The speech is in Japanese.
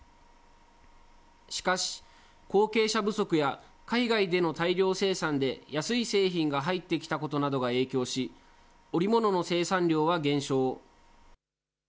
しかし、後継者不足や海外での大量生産で安い製品が入ってきたことなどが影響し、織物の生産量は減少。